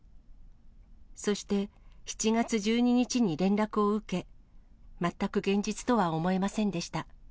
そして、７月１２日に連絡を受け、全く現実とは思えませんでした。